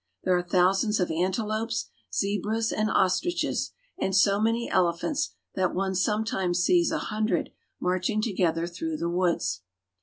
There are thousands of antelopes, zebras, and ostriches, and so many elephants that one sometimes sees a hundred marching together through the woods.